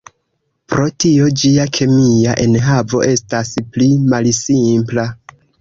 Pro tio ĝia kemia enhavo estas pli malsimpla.